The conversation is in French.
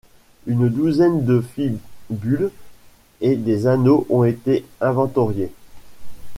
Une douzaine de fibules et des anneaux ont été inventoriées.